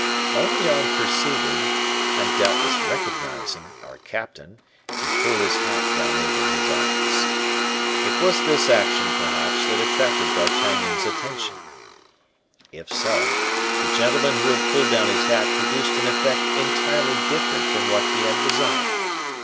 Only on perceiving, and doubtless recognizing, our captain, he pulled his hat down over his eyes. It was this action, perhaps, that attracted D'Artagnan's attention. If so, the gentleman who had pulled down his hat produced an effect entirely different from what he had desired.